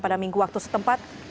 pada minggu waktu setempat